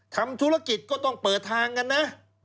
ทำธุรกิจก็ต้องเปิดทางกันนะ